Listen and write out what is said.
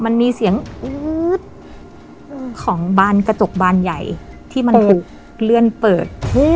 มันมีเสียงอื๊ดของบานกระจกบานใหญ่ที่มันถูกเลื่อนเปิด